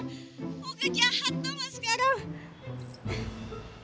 udah jahat tau gak sekarang